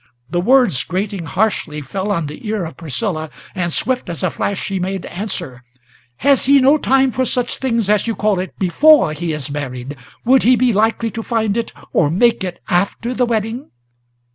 the words grating harshly Fell on the ear of Priscilla; and swift as a flash she made answer: "Has he no time for such things, as you call it, before he is married, Would he be likely to find it, or make it, after the wedding?